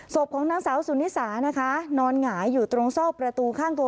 ของนางสาวสุนิสานะคะนอนหงายอยู่ตรงซอกประตูข้างตัว